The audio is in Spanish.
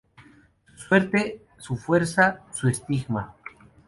Su suerte, su fuerza, su estigma.